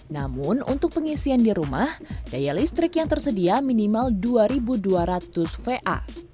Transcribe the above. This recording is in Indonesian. namun untuk pengisian di rumah daya listrik yang tersedia minimal dua dua ratus va